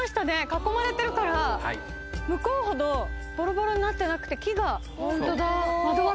囲まれてるから向こうほどボロボロになってなくて。